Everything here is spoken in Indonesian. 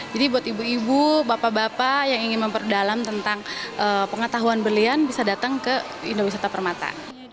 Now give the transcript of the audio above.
jadi buat ibu ibu bapak bapak yang ingin memperdalam tentang pengetahuan berlian bisa datang ke indo wisata permata